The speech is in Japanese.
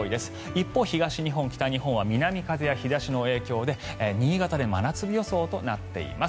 一方、東日本、北日本は南風や日差しの影響で新潟で真夏日予想となっています。